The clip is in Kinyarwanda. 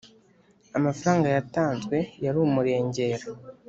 amafaranga yatanzwe yari umurengera